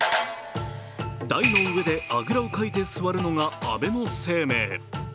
台の上であぐらをかいて座るのが安倍晴明。